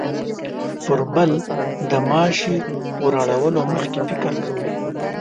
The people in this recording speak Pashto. پر بل د ماشې وراړولو مخکې فکر کوي.